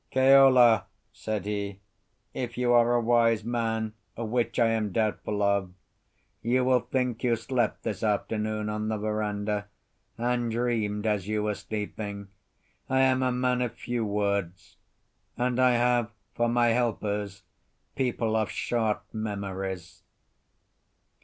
"Keola," said he, "if you are a wise man (which I am doubtful of) you will think you slept this afternoon on the verandah, and dreamed as you were sleeping. I am a man of few words, and I have for my helpers people of short memories."